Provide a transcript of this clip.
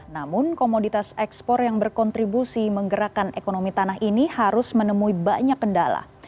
namun komoditas ekspor yang berkontribusi menggerakkan ekonomi tanah ini harus menemui banyak kendala